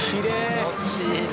気持ちいいな。